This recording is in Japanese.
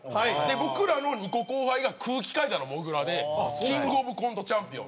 僕らの２個後輩が空気階段のもぐらでキングオブコントチャンピオン。